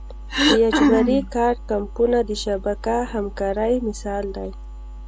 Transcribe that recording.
د اجباري کار کمپونه د شبکه همکارۍ مثال دی.